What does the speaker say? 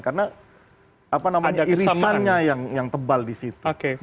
karena irisannya yang tebal di situ